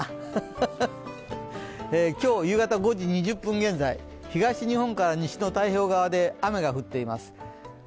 今日夕方５時２０分現在東日本から西の太平洋側で雨が降っています。